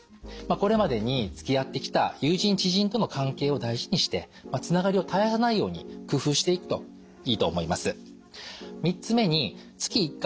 これまでにつきあってきた友人・知人との関係を大事にしてつながりを絶やさないように工夫していくといいと思います。